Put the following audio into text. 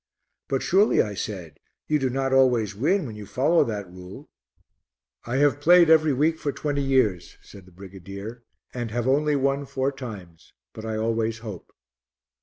"But surely," I said, "you do not always win when you follow that rule?" "I have played every week for twenty years," said the brigadier, "and have only won four times; but I always hope."